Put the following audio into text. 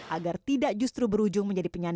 agar tidak justru berujung menjadi penyanyi